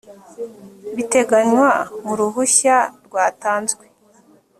biteganywa mu ruhushya rwatanzwe